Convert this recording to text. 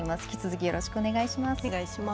引き続きよろしくお願いします。